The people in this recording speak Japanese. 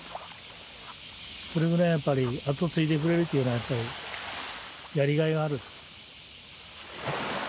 それぐらいやっぱり後を継いでくれるというのはやりがいがある。